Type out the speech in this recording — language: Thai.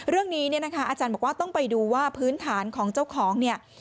เรื่องนี้อาจารย์บอกว่าต้องไปดูว่าพื้นฐานของเจ้าของ